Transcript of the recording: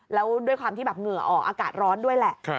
แล้วด้วยความที่แบบเหงื่อออกอากาศร้อนด้วยแหละ